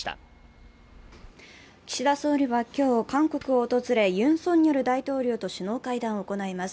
岸田総理は今日韓国を訪れ、ユン・ソンニョル大統領と首脳会談を行います。